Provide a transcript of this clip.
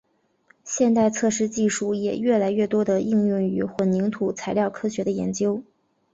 现代测试技术也越来越多地应用于混凝土材料科学的研究。